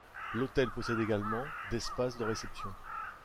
L'hôtel possède également d'espaces de réception.